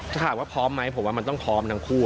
ถ้าถามว่าพร้อมไหมผมว่ามันต้องพร้อมทั้งคู่